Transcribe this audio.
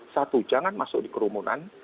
satu jangan masuk di kerumunan